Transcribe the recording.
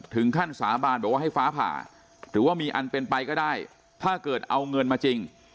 ถึงขั้นสาบานบอกว่าให้ฟ้าผ่าหรือว่ามีอันเป็นไปก็ได้ถ้าเกิดเอาเงินมาจริง